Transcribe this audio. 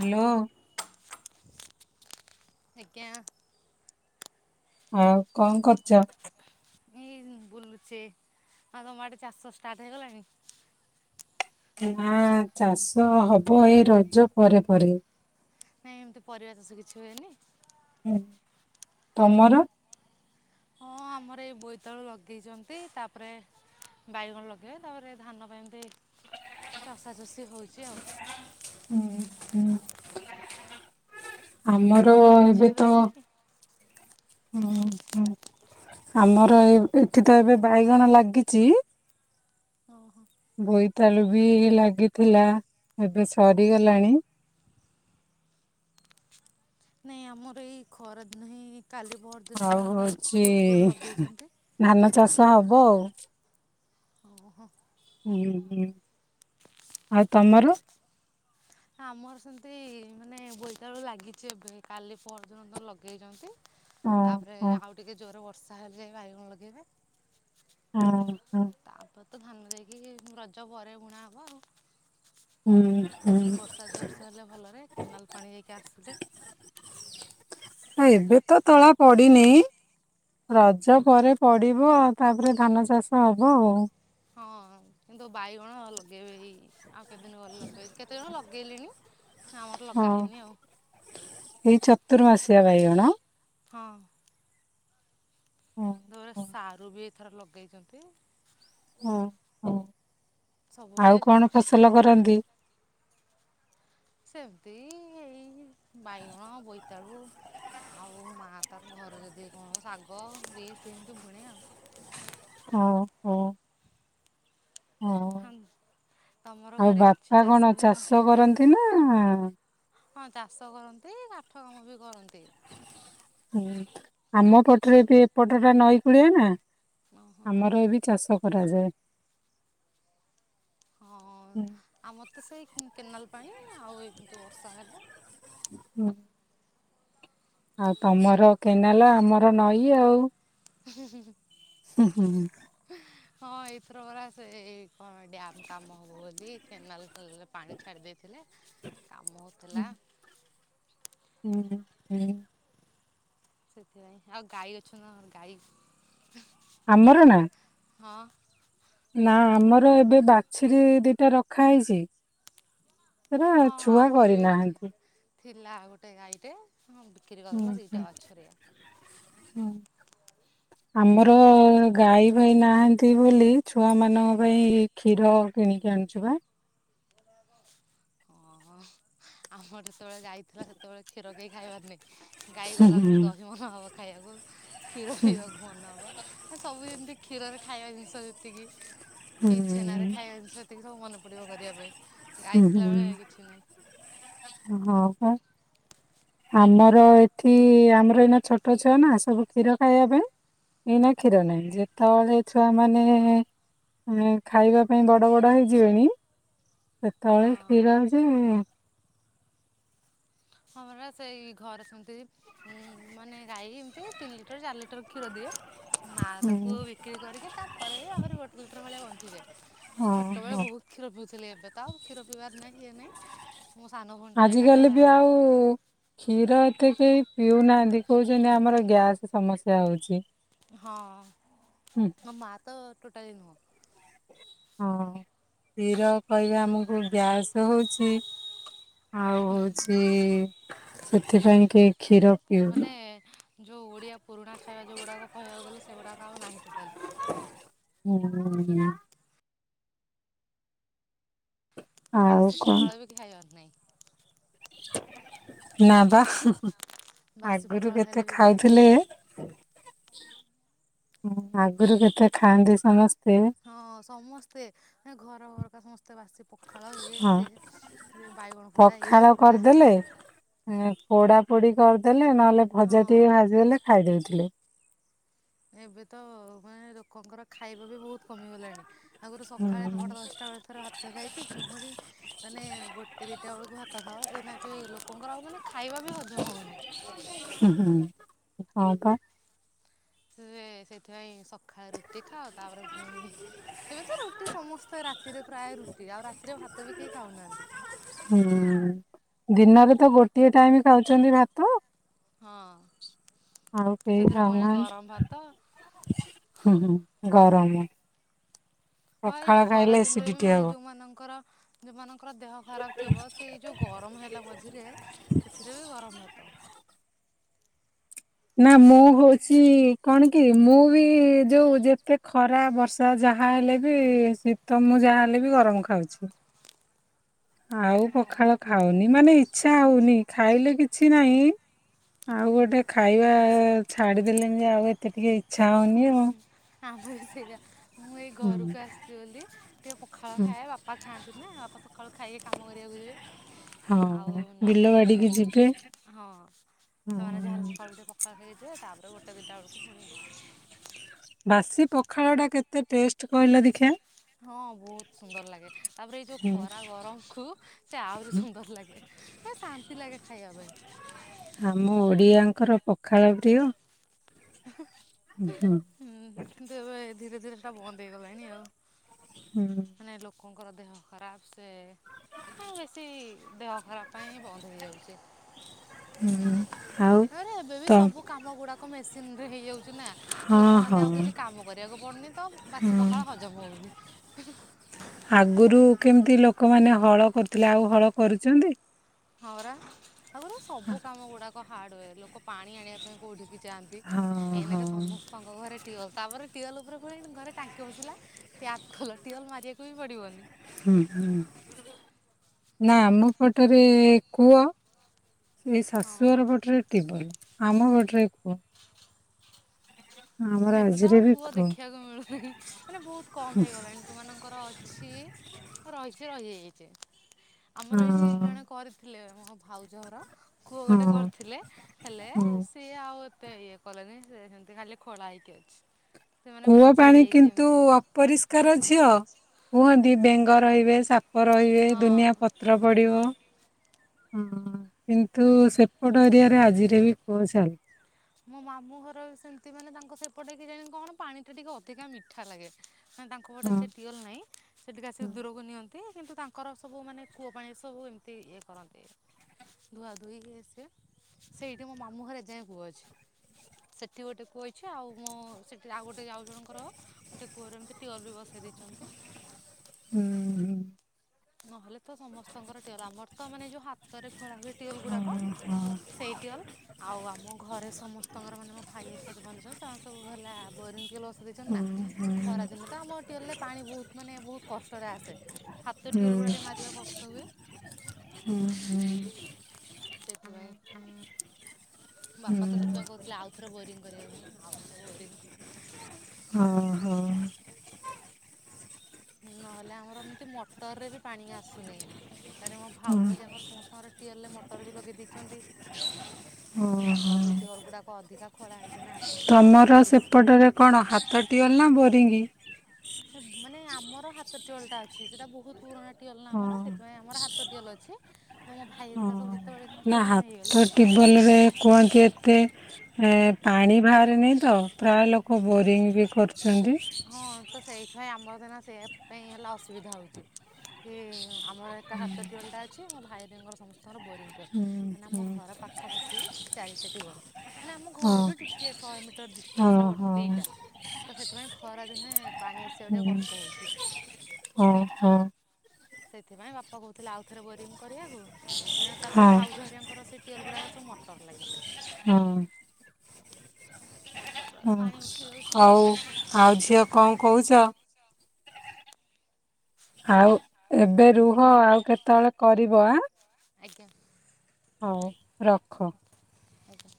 Hello. ଆଜ୍ଞା। ଆଉ କଣ କରୁଛ? ଏଇ ବୁଲୁଛେ ଆଉ ତମ ଆଡ଼େ ଚାଶ ଷ୍ଟାର୍ଟ ହେଇଗଲାଣି। ନା ଚାଷ ହବ ଏଇ ରଜ ପରେ ପରେ। ନାଇଁ ଏମିତି ପରିବା ଚାଷ କିଛି ହୁଏନି। ହୁଁ ତମର ହଁ ଆମର ଏଇ ବୋଇତାଳୁ ଲଗେଇଛନ୍ତି ତାପରେ ବାଇଗଣ ଲଗେଇବେ ତାପରେ ଧାନ ପାଇଁ ଏମତି ଚଷାଚଷି ହଉଛି ଆଉ। ହୁଁ ହୁଁ। ହୁଁ ଆମର ତମର କିଛି ଏବେ ତ ହୁଏନି କି? ହୁଁ ହଁ ଆମର ଏ ଏଠି ତ ଏବେ ବାଇଗଣ ଲାଗିଛି। ଓହୋ। ବୋଇତାଳୁ ବି ଲାଗିଥିଲା ଏବେ ସରିଗଲାଣି। ନାଇଁ ଆମର ଏଇ ଖରାଦିନ ହିଁ କାଲି ପହର ଦିନ ଆଉ ପା ହଉଛି ପୂର୍ବରୁ ଲଗେଇଛନ୍ତି। ଧାନ ଚାଷ ହବ ଆଉ ଓହୋ। ହୁଁ ହୁଁ ଆଉ ତମର ଆମର ସେମିତି ମାନେ ବୋଇତାଳୁ ଲାଗିଛି ଏବେ କାଲି ପହର୍ଦିନ ତ ଲଗେଇଛନ୍ତି। ହଁ ତାପରେ ହଁ ଆଉ ଟିକେ ଜୋର ବର୍ଷା ତାହାଲେ ଯାଇ ବା ୟଗଣ ଲଗେଇବେ। ହଁ। ହଁ ତାପରେ ତ ଧାନ ଯାଇକିରି ରଜ ପରେ ବୁଣା ହବ ଆଉ। ହୁଁ। ହୁଁ ବର୍ଷା ଜୋରସ ହେଲେ ଭଲରେ କେନାଲ ପାଣି ଯାଇକି ଆସୁଛି। ଏବେ ତ ତଳା ପଡିିନି ରଜ ପରେ ପଡିବ ଆଉ ତାପରେ ଧାନ ଚାଷ ହବ ଆଉ। ହଁ କିନ୍ତୁ ବାଇଗଣ ଲଗେଇବେ। ଆଉ କେତେ ଦିନ ଗଲେ ଲଗେଇ କେତେ ଜଣ ଲଗେଇଲେଣି। ଆମର ଲଗା ହଁ ହେଇନି ଆଉ [inaudible] ଏଇ। ଚତୁର୍ମାସ୍ୟା ବଇଗଣ। ହଁ। ହଁ ଧର ହଁ ସାରୁ ବି ଥର ଲଗେଇଛନ୍ତି। ହଁ ହଁ। ସବୁବେଳେ ଆଉ କଣ ଚାଲିଛି ଫସଲ କରନ୍ତି? ସେମିତି ଏଇ ବାଇଗଣ ବୋଇତାଳୁ ଆଉ ମାଆ ତାର ଘରେ ଯଦି କଣ ଶାଗ ସେମିତି ବୁଣେ ଆଉ। ହଁ ହଁ। ହ ହଁ ତମର ଆଉ ଘରେ କିଛି ବାପା ଚାଷ କଣ ହୁଏନି ଚାଷ କରନ୍ତି ନା ହଁ ଚାଷ କରନ୍ତି କାଠ କାମ ବି କରନ୍ତି। ହୁଁ। ଆମ ପଟରେ ଏବେ ଏପଟ ଟା ନଈ କୂଳିଆ ନା ଓହୋ ଆମର ଏବେ ଚାଷ କରାଯାଏ। ହଁ ହୁଁ ଆମ ତେ ସେଇ କେନାଲ। ପାଣି ଆଉ ଏନୁ ତ ବର୍ଷା ହେଲା। ହୁଁ। ଆଉ ତମର କେନାଲ ଆମର ନଈ ଆଉ। ହୁଁ ହୁଁ [unintelligible] ହଁ ଏଇଥର ପରା ସେଇ କଣ ଡ୍ୟାମ କାମ ହବ ବୋଲି କେନାଲ। ଭଲ ପାଣି ଛାଡି ଦେଇଥିଲେ କାମ ହଉଥିଲା। ହୁଁ ହୁଁ ହୁଁ। ସେଥିପାଇଁ ଆଉ ଗାଈ ଅଛ ନା ଗାଈ ଆମର ନାଁ ହଁ। ନା ଆମର ଏବେ ବାଛେୁରୀ ଦିଟା ରଖା ହେଇଛି। ସେଟ ହଁ ଛୁଆ ଆମର ବି କରିନାହାନ୍ତି। ଥିଲା ଗୋଟେ ଗାଈଟେ। ହଁ ବିକ୍ରି ହୁଁ କରିଦଲା ହୁଁ ଦିଇଟା ବାଛୁରୀଆ ଆମର ଗାଈ ଭାଇ ନାହାନ୍ତି ବୋଲି ଛୁଆ ମାନଙ୍କ ପାଇଁ କ୍ଷୀର କିଣିକି ଆଣୁଛୁ ବା ଓହଁ ଆମର ଯେତେବେଳେ ଯାଇଥିଲା ସେତେଳେ କ୍ଷୀର କେଇ ଖାଇବାର ନାଁହିି। ଗାଈ ହୁଁ ଗଲା ପରେ ଦହି ମନ ହବ ଖାଇ ଆକୁ। କ୍ଷୀର ପିଇବା ମନ ହବ। ଆ ସବୁ ଯେମିତି କ୍ଷୀରରେ ଖାଇବା ଜିନିଷ ଯେତିକି ହୁଁ ପି ଛେନାରେ ଖାଇବା ଜିନିସ ଟିକେ ସବୁ ମନେ ପଡିବ କରିବା ପାଇଁ। ହୁଁ ଗାଇଥିଲା ବେଳେ ହୁଁ କି ହଁ ଆମର ଏଠି ଆମର ଏଇନା ଛୋଟ ଛୁଆ ନା ସବୁ କ୍ଷୀର ଖାଇବା ପାଇଁ ଏଇନା କ୍ଷୀର ନାହିଁ ଯେତେବେଳେ ଛୁଆ ମାନେ ଖାଇବା ପାଇଁ ବଡ ବଡ ହେଇଯିବେଣି। ହଁ ସେତେବେଳେ କ୍ଷୀର ଯେ। ହଁମର ସେଇ ଘରେ ସେମିତି ଉ ମାନେ ଗାଈ ଏମତି ତିନି ଲିଟର ଚାରି ଲିଟର କ୍ଷୀର ଦିଏ। ମା ତାକୁ ବିକ୍ରି କରିକି ତାପରେ ବି ଆଖରି ଗୋଟେ ଲଟର ଭଳିଆ ବନ ହଁ [unintelligible] ହଁ। ଛୋଟବେଳେ ବହୁତ କ୍ଷୀର ପିଉଥିଲେ ଏବେ ତ ଆଉ କ୍ଷୀର ପିଇବାର ନାହିଁ। ଏଇନା ଆଜିକାଲି ବି ଆଉ। କ୍ଷୀର ଏତେ କେହି ପିଉନାହାନ୍ତି କହୁଛନ୍ତି ଆମର ଗ୍ୟାସ ସମସ୍ୟା ହଉଛି। ହଁ ହୁଁ ମୋ ମା ତ। ଟୋଟାଲି ନୁହଁ। ହଁ କ୍ଷୀର କହିବା ଆମକୁ ଗ୍ୟାସ୍ ହଉଛି। ଆଉ ହଉଛି। ସେଥିପାଇଁ କି। ମାନେ ଯୋଉ ଓଡିଆ ପୁରୁଣା ଖାଇବା ଯୋଉ ଗୁଡାକ କହିବାକୁ ଗଲେ। ସେଗୁଡ଼ା ଆଉ ନାହି ଟୋଟାଲି। ହୁଁ ହ ନା। ତ ଆଉ ବାସି କଣ ପଖାଳ ବି କି ଖଇବାର ନାହିଁ। ନପା ବାସି ଆଗରୁ ପଖାଳ କେତେ ଖାଇଲେ ବି ଗ୍ୟାସ୍ ଖାଉଥିଲେ। ଆଗରୁ କେତେ ଖାଆନ୍ତି ସମସ୍ତେ। ହଁ ସମସ୍ତେ ଘର [unintelligible] ତ ବାସି ପଖାଳ ଇଏ ହଁ ସିଏ ବାଇଗଣ ପୋଡା ପଖାଳ ଇଏ ପୋଡା। କରିଦେଲେ ଦେଲେ ନା। ଲେ ଭଜା ଟିକେ ଭାଜିଗଲେ ଖାଇଦଉଛି। ଥିଲେ। ଏବେ ତ ମାନେ ଲୋକଙ୍କର ଖାଇବା ବି ବହୁତ କମିଗଲାଣି। ଆଗରୁ ସକାଳେ ହୁଁ ନଅଟା ଦଶଟା ବେଳେ ଥର ଭାତ ଖାଇକି ପୁଣି ମାନେ ଗୋଟେ ଦିଟା କେତେବେେଳକୁ ହାତ ଖାଅ ଏଇନାକେଇ ଲୋକଙ୍କର ହବନି ଖାଇବା ବି ହଜମ ହଉନି। ହୁଁ ହୁଁ ହଁ ପା। ସେ ସେଇଥିପାଇଁ ସକାଳେ ରୁଟି ଖାଅ ତାପରେ ଫୁଣି ଏବେ ତ ରୁଟି ସମସ୍ତେ ରାତିରେ ପ୍ରାୟ ରୁଟି ଆଉ ରାତିରେ ଭାତ ବି କେହି ଖାଉନାହାନ୍ତି। ହୁଁ। ଦିନରେ ତ ଗୋଟିଏ ଟାଇମ ଖାଉଛନ୍ତି ଭାତ। ହଁ। ଆଉ କେହି ସେଥିରେ ପୁଣି ଗରମ ଭାତ ଖାଉନାହାନ୍ତି ହୁଁ ହୁଁ ଗରମ। ହଁ ଏଇ ପଖାଳ ଖରା ଖାଇଲେ ଦିନରେ ବି ଏସିଡିଟି ମାନେ ହବ। ଯୋଉମାନଙ୍କର ଯୋଉ ମାନ ତ ଦେହ ଖରାପ ଥିବ ସେଇ ଯୋଉ ଗରମ ହେଲା ମଝିରେ ସେଥିରେ ବି ଗରମ ହବ। ନା ମୁଁ ହଉଛି କଣ କି ମୁଁ ବି ଯୋଉ ଯେତେ ଖରା ବର୍ଷା ଯାହା ହେଲେ ବି ଶୀତ ମୁଁ ଯାହାହଲେ ବି ଗରମ ଖାଉଛି ଆଉ ହଁ ପଖାଳ ଖାଉନି ମାନେ ଇଚ୍ଛା ହଉନି ଖାଇଲେ କିଛି ନାହିଁ ଆଉ ଗୋଟେ ଖାଇବା ଛାଡିଦେଲେଣି ଯେ ଆଉ ଏତେ ଟିକେ ଇଚ୍ଛା ହଉନି ଆଉ। ଆମ ବି ସେଇା ମୁଁ ଏଇ ହୁଁ ଘରକୁ ଆସିଛି ବୋଲି ଟିକେ ପ ପଖାଳ ହୁଁ ଖାଏ ବାପା ଖାଆନ୍ତି ନା ଆପା ସକାଳୁ ଖାଇକି କାମ କରିବାକୁ ଯିବେ। ହଉ। ଆଉ ବିଲ ନହେଲେ ବାଡିକି ଯିବେ ହଁ ସେମାନେ ଯାହାଲେ ହୁଁ ସକାଳୁ ଟିକେ ପଖାଳ ଖାଇକି ଯିବେ ତାପରେ ଗୋଟେ ଦିଇଟା ବେଳକୁ ଫୁଣି ବାସି ପଖାଳ ଟା କେତେ ଟେଷ୍ଟ କହିଲ ଦେଖିଆ। ହଁ ବହୁତ ସୁନ୍ଦର ଲାଗେ ତାପରେ ଏଇ ଯୋଉ ହୁଁ ଖରା ଗରମକୁ ସେ ଆହୁରି ସୁନ୍ଦର ଲାଗେ। ଶାନ୍ତି ଲାଗେ ଖାଇବା ପାଇଁ। ଆମ ଓଡିଆଙ୍କର ପ ପଖାଳ ପ୍ରିୟ [inaudible] ହୁଁ ହୁଁ, କିନ୍ତୁ ଏବେ ଧୀରେ ଧୀରେ ଟା ବନ୍ଦ ହେଇଗଲାଣି ଆଉ ହୁଁ ମାନେ ଲୋକଙ୍କର ଦେହ ଖରାପ ସେ ଆଉ ବେଶୀ ଦେହ ଖରାପ ପାଇଁ ହିଁ ବନ୍ଦ ହେଇଯାଉଛି। ହୁଁ ଆଉ ଆରେ ଏବେ ବି ତ ସବୁ କାମ ଗୁଡାକ ମେସିନ୍ ହେଇଯାଉଛ। ନା ଲୋକ ହଁ ମାନେ ହଁ ଆଉ କିଛି କାମ କରିବାକୁ ପଡୁନି ତ ବାସି ହଁ। ପଖାଳ ହଜମ ହଉନି। [inaudible] ଆଗରୁ କେମିତି ଲୋକମାନେ ହଳ କରୁଥିଲେ ଆଉ ହଳ କରୁଛନ୍ତି। ହରା ତା ସବୁ କାମ ଗୁଡା ହାର୍ଡର ଲୋ ପାଣି ଆଣିବା ପାଇଁ କୋଉଠି କି ଯାଆନ୍ତି ହଁ ହଁ ଏଇନାକେ ସମସ୍ତଙ୍କ ଘରେ ଟଟିଲ୍ ତାପରେ ଟଟିୱଲ୍ ଉପରେ ଖୋଳଣି ଘରେ ଟାଙ୍କି ବସିଲା ଟ୍ୟାପ ଖୋଲ ଟଟିୱେଲ୍ ମାରିବାକୁ ବି ପଡ଼ିବନି। ହ ହଁ ନା ମମ ପଟରେ କୁଅ। ସେଇ ହଁ ଶାଶୁଆର ହଁ ପଟରେ ଟିବଲ। ଆମ ବଟରେ କ ଏବେ ତ ଆଉ କୁଅ ଦେଖିବାକୁ ମିଳୁନି ମାନେ ବହୁତ କମ ହେଇଗଲାଣି ତୁମାନାନଙ୍କର ଅଛି। ହ ରହିଚି ରହି ଯାଇଚି। ଆମର ଏଇଠି ହଁ ଜଣେ କରିଥିଲେ ମ ମୋ ଭାଉଜ ହର। କୂଅ ଗୋଟେ ହଁ କରିଥିଲେ ହେଲେ ହୁଁ। ସିଏ ଆଉ ଏ ତେ ଇଏ କଲେନେଇ ସିଏ ସେମିତି ଖାଲି ଖୋଳା ହେଇକି ଅଛି। ସେମାନେ କୂଅ ବୁଝି ପାଣି ହେଇଯାଇଛି କିନ୍ତୁ ଏମିତି ଅପରିଷ୍କାର ଝିଅ କୁହ ତି ବେଙ୍ଗ ରହିବେ ସା ପ ରହିବେ ହଁ। ଦୁନିଆ ପତ୍ର ପଡ଼ିବ। ହଁ କିନ୍ତୁ ସେପଟ ଏରିଆରେ ଆଜିରେ ବି କୂଅ ଚାଲେ। ମୋ ମାମୁଁ ଘର ସେମତି ମାନେ ତାଙ୍କ ସେପଟେ କେଜାଣି କଣ ପାଣିଟା ଟିକେ ଅଧିକା ମିଠା ଲାଗେ। ହାଁ ତାଙ୍କ ପଟେ ହଁ। ଏତେ ଟିଅଲ ନାହିଁ ସେଠିକି ଆସିକି ହୁଁ ଦୂରକୁ ନିଅନ୍ତି। କିନ୍ତୁ ତାଙ୍କର ସବୁ ମାନେ କୂଅ ପାଣି ସବୁ ଏମତି ଇଏ କରନ୍ତି ଧୁଆଧୁଇ ଇଏ ସିଏ ସେଇଠି ମୋ ମାମୁଁଘରେ ଏଯାଏଁ କୂଅ ଅଛି। ସେଠି ଗୋଟେ କୂଅ ଅଛି ଆଉ ମୋ ସେଠି ଆଉ ଗୋଟେ ଆଉ ଜଣଙ୍କର ଗୋଟେ କୂଅରେ ଏମତି ଟିଅଲ ବି ବସେଇ ଦେଇଚନ୍ତି। ହୁଁ ହୁଁ। ନହେଲେ ତ ସମସ୍ତଙ୍କର ଟିଅଲ ଆମର ତ ମାନେ ଯୋଉ ହାତରେ ଖୋଳା ହୁଏ ଟିଅଲ ଗୁଡ଼ାକ ଓହୋ ସେଇ ଟିଅଲ ଆଉ ଆମ ଘରେ ସମସ୍ତଙ୍କର ମାନେ ମୋ ଭାଇ ହେରିକା ଯୋଉ ବନେଇଚନ୍ତି ସ ସବୁ ହେଲା ବୋରିଙ୍ଗ ଟିଅଲ ଦେଇଚନ୍ ହୁଁ ନା ହୁଁ ଖରା ଦିନେ ତ ଆମ ଟିଅଲରେ ପାଣି ବୋହୁତ ମାନେ ବୋହୁତ କଷ୍ଟରେ ଆସେ ହା ହୁଁ ଟିଅଲଗୁଡା ମାରିବା କଷ୍ଟ ହୁଏ। ହୁଁ। ହୁଁ ଥିପାଇଁ ବାପା ତ ହୁଁ ସେଥିପାଇଁ କୋହୁଥୁଲେ ଆଉ ଥରେ ବୋରିଂ କରିବାକୁ ମୁଁ ଇନି ଆଉ ଫେର ବୋରିଙ୍ଗ କରିବେ। ହଁ ହଁ। ନହେଲେ ଆମର ଏମତି ମଟରରେ ବି ପାଣି ଆସୁନେଇ ତାରେ ମୋ ଭାଉଜ ହରିଆଙ୍କର ସମସ୍ତଙ୍କର ଟିଅଲରେ ମଟର ବି ଲଗେଇ ଦେଇଚନ୍ତି। ଓହୋ ତାଙ୍କର ବି ଟିଅଲ ଗୁଡ଼ା ଅଧିକା ଖୋଳା ହେଇ ତମର ସେପଟରେ କଣ ହାତ ଟିଅଲ ନାଁ ବୋରିଙ୍ଗ? ନାଇଁ ଆ ମୋର ହାତ ଟିଅଲଟା ଅଛି ସେଟା ବୋହୁତ ପୁରୁଣା ଟିଅଲ ନା ଆମର ହଁ। ସେଥିପାଇଁ ଆମର ହା ତ ଟିଅଲ ଅଛି। ତ ମୋ ଭାଇ ହେରିକା ସବୁ ଯେ ନାଁ ହାତ ଟିବଲରେ କୁହନ୍ତି ଏତେ ଏ ପାଣି ଭାରେନେଇ ତ ପ୍ରାୟ ଲୋକ ବୋରିଂ ବି କରଚନ୍ତି। ହଁ ତ ସେଇଥିପାଇଁ ଆମର ତ ଏଇନା ସେଇଆ ପାଇଁ ହେଲା ଅସୁବିଧା ହୋଉଚି। କି ଆମର ଏକା ହାତଟ୍ୱିୱେଲ ଟା ଅଛି ମୋ ଭାଇ ଙ୍କର ସମସ୍ତ ତମର ବୋରିଂ ଟା ହୁଁ ମାନେ ଆମ ହୁଁ ଘର ପାଖାପାଖି ଚାରିଟା ଟିୱଲ ମାନେ ଆମ ହଁ ଘରଠୁ ଟିକେ ଶହେ ମିଟର ଡିଷ୍ଟାନ୍ସର ହଁ ଗୋଟେ ହଁ ଦିଟା ତ ସେଥିପାଇଁ ଖରା ଦିନେ ପାଣି ଆସିବା କୁ ଟିକେ ହୁଁ କଷ୍ଟ ହଉଛି। [inaudible] ହଁ ହଁ ସେଥିପାଇଁ ବାପା କହୁଥିଲେ ଆଉଥରେ ବୋରିଂ କରିବାକୁ ତାପରେ ହଁ ଭାଉଜହେରିଆଙ୍କର ସେ ଟିୱେଲ ଗୁଡାକ ରେ ସବୁ ମଟର ଲାଗିଛି। ମଟରରେ ହୁଁ ପାଣି ଉଠି ଯାଉଛି ହଉ ତାପରେ ଆଉ ଝିଅ କଣ କହୁଛ? ଆଉ ଏବେ ରୁହ ଆଜ୍ଞା ଆଉ କେତେବେଳେ କରିବ ଆ। ଆଜ୍ଞା ହଉ ରଖ। ଆଜ୍ଞା।